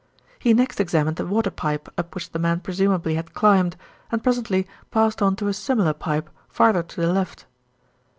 He next examined the water pipe up which the man presumably had climbed, and presently passed on to a similar pipe farther to the left.